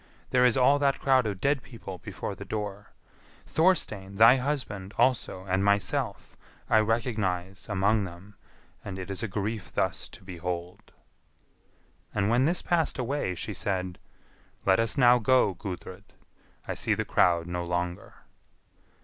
"There is all that crowd of dead people before the door; Thorstein, thy husband, also, and myself, I recognise among them, and it is a grief thus to behold." And when this passed away, she said, "Let us now go, Gudrid; I see the crowd no longer."